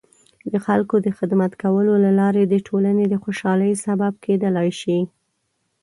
د خلکو د خدمت کولو له لارې د ټولنې د خوشحالۍ سبب کیدلای شي.